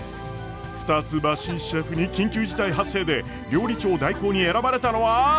二ツ橋シェフに緊急事態発生で料理長代行に選ばれたのは！？